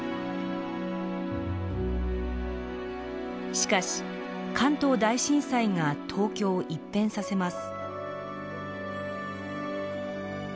しかし関東大震災が東京を一変させます。